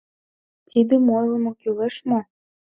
Тидым ойлымо кӱлеш мо?